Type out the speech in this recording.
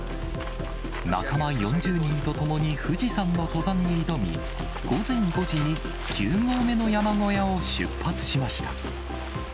仲間４０人と共に富士山の登山に挑み、午前５時に９合目の山小屋を出発しました。